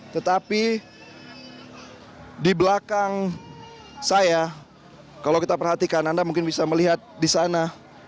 tetapi di belakang saya kalau kita perhatikan anda mungkin bisa melihat di sana